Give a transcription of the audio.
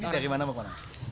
dari mana mau kemana